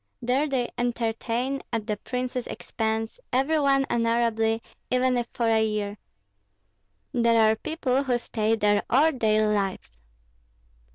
There they entertain, at the prince's expense, every one honorably, even if for a year; there are people who stay there all their lives."